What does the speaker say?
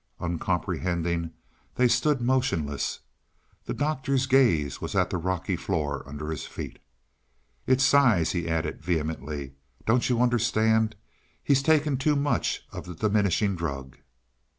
Uncomprehending, they stood motionless. The Doctor's gaze was at the rocky floor under his feet. "It's size," he added vehemently. "Don't you understand? He's taken too much of the diminishing drug."